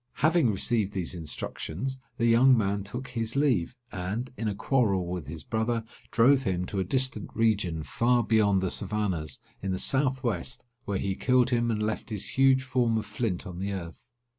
Having received these instructions, the young man took his leave, and, in a quarrel with his brother, drove him to a distant region, far beyond the Savannahs, in the south west, where he killed him, and left his huge form of flint on the earth.